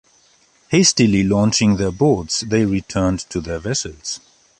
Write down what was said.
Hastily launching their boats, they returned to their vessels.